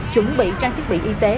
chuẩn bị trang thiết bị y tế